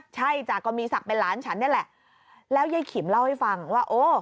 ใช่จ้ะก็มีศักดิ์เป็นหลานฉันนี่แหละแล้วยายขิมเล่าให้ฟังว่าโอ้